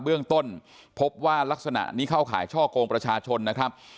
เบื้องต้นพบว่ารักษณะนี้เข้าข่ายช่อกงประชาชนนะครับ